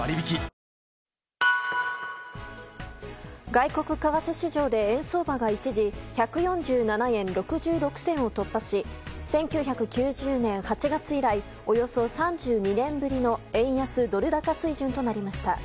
外国為替市場で円相場が一時１４７円６６銭を突破し１９９０年８月以来およそ３２年ぶりの円安ドル高水準となりました。